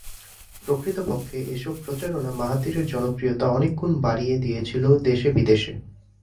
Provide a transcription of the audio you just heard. প্রকৃতপক্ষে, এসব প্রচারণা মাহাথিরের জনপ্রিয়তা অনেক গুণ বাড়িয়ে দিয়েছিল দেশে বিদেশে।